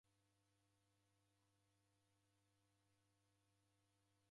Kwaw'enibara madu